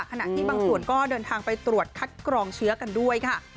ขณะที่บางส่วนก็เดินทางไปตรวจคัดกรองเชื้อกันด้วยค่ะ